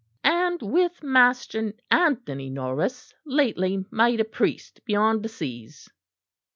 "And with Master Anthony Norris, lately made a priest beyond the seas."